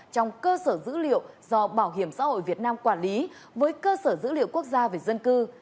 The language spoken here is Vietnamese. trong cơ sở dữ liệu do bảo hiểm xã hội việt nam quản lý với cơ sở dữ liệu quốc gia về dân cư